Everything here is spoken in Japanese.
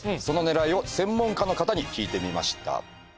その狙いを専門家の方に聞いてみました。